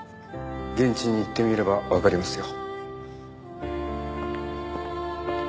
現地に行ってみればわかりますよ。